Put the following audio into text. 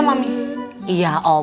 dan ini jadi